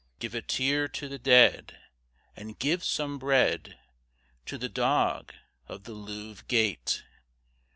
Give a tear to the dead, And give some bread To the dog of the Louvre gate!